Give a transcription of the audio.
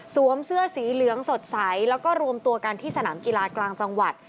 เสื้อสีเหลืองสดใสแล้วก็รวมตัวกันที่สนามกีฬากลางจังหวัด